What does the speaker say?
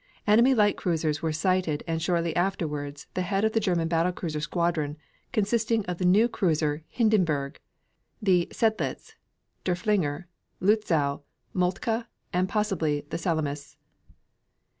Enemy light cruisers were sighted and shortly afterward the head of the German battle cruiser squadron, consisting of the new cruiser Hindenburg, the Seydlitz, Derfflinger, Lutzow, Moltke, and possibly the Salamis.